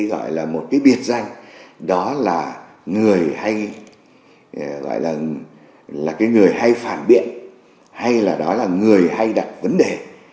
gọi là một cái biệt danh đó là người hay phản biện hay là đó là người hay đặt vấn đề